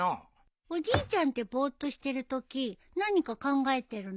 おじいちゃんってぼーっとしてるとき何か考えてるの？